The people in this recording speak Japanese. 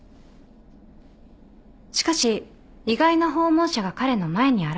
しかし意外な訪問者が彼の前に現れた。